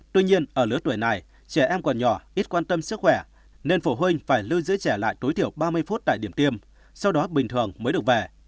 tuy nhiên ở lứa tuổi này trẻ em còn nhỏ ít quan tâm sức khỏe nên phổ huynh phải lưu giữ trở lại tối thiểu ba mươi phút tại điểm tiêm sau đó bình thường mới được về